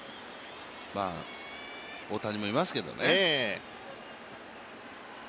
大谷もいますけどね。